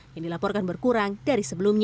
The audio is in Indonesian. yang dilaporkan berkurang dari sebelumnya